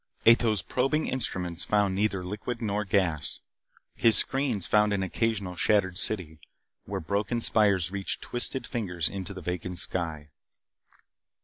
Ato's probing instruments found neither liquid nor gas. His screens found an occasional shattered city, where broken spires reached twisted fingers into the vacant sky.